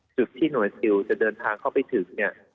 จุดที่หน่วยซิลจะเดินทางเข้าไปถึงเนี่ย